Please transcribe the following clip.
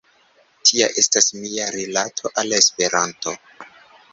Tia estas mia rilato al Esperanto.